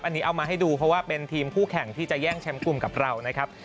อันนี้เอามาให้ดูเพราะว่าเป็นทีมคู่แข่งที่จะแย่งแชมป์กลุ่มกับเรานะครับ